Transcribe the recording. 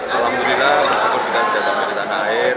alhamdulillah bersyukur kita sudah sampai di tanah air